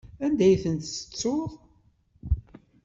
Anda ay tent-tettuḍ?